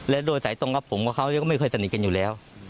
และโดยสายตรงกับผมกับเขาก็ไม่เคยสนิทกันอยู่แล้ว